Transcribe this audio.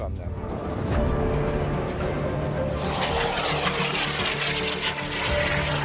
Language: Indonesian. saya benar saya benar